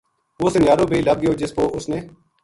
وہ سُنیارو بے لَبھ گیو جس پو اُس نے